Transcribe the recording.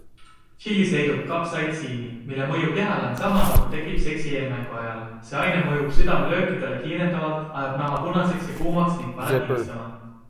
Tšillis leidub kapsaitsiini, mille mõju kehale on sama, nagu tekib seksi eelmängu ajal - see aine mõjub südamelöökidele kiirendavalt, ajab naha punaseks ja kuumaks ning paneb higistama.